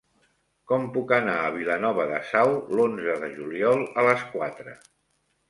Com puc anar a Vilanova de Sau l'onze de juliol a les quatre?